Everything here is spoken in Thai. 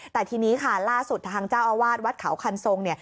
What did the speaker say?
แต่ทีนี้ค่ะล่าสุดทางเจ้าอาวาสวัดเขาคันทรง